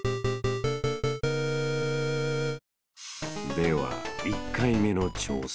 ［では１回目の挑戦］